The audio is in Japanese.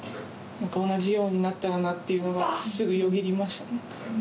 同じようになったらなっていうのが、すぐよぎりましたね。